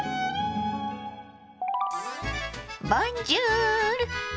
ボンジュール！